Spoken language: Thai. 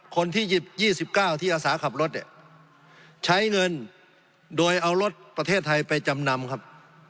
คนที่หยิบ๒๙ที่อาสาขับรถเนี่ยใช้เงินโดยเอารถประเทศไทยไปจำนำครับ